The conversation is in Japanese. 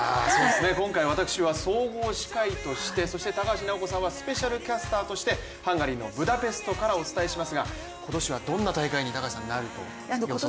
今回、私は総合司会としてそして高橋尚子さんはスペシャルキャスターとしてハンガリーのブダペストからお伝えしますが、今年はどんな大会になると予想されます？